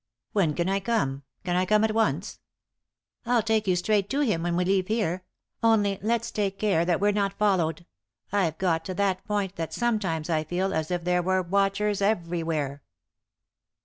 " When can I come ? Can I come at once ?"" I'll take you straight to him when we leave here; only let's take care that we're not followed. I've got to that point that sometimes I feel as if there were watchers everywhere."